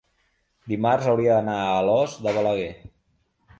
dimarts hauria d'anar a Alòs de Balaguer.